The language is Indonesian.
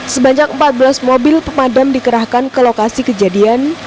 sebanyak empat belas mobil pemadam dikerahkan ke lokasi kejadian